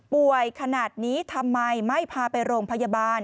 ขนาดนี้ทำไมไม่พาไปโรงพยาบาล